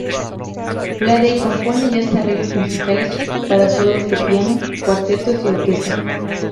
Bradley compone y hace arreglos musicales para solos de piano, cuartetos y orquesta.